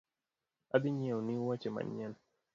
Adhi nyieoni woche manyien